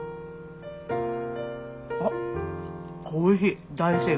あっおいしい。